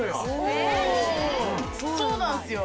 そうなんですよ。